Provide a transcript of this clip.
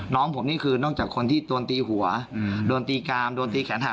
น้องผมนี่คือนอกจากคนที่โดนตีหัวโดนตีกามโดนตีแขนหา